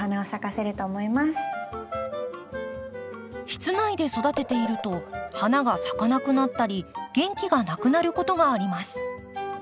室内で育てていると花が咲かなくなったり元気がなくなることがあります。